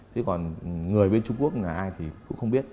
thế còn người bên trung quốc là ai thì cũng không biết